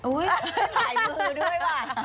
อุ้ยหายมือด้วยว่ะ